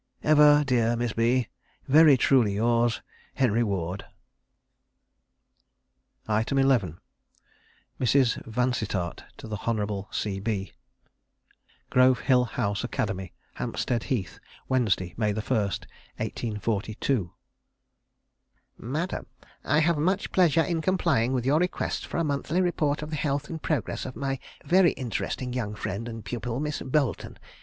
"Ever, dear Miss B, Very truly yours, "HENRY WARD." 11. Mrs. Vansittart to the Honourable C. B. "Grove Hill House Academy, Hampstead Heath, "Wednesday, May 1st, 1842. "MADAM, "I have much pleasure in complying with your request for a monthly report of the health and progress of my very interesting young friend and pupil, Miss Boleton.